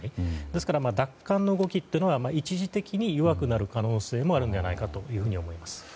ですから、奪還の動きは一時的に弱くなる可能性もあるのではないかと思います。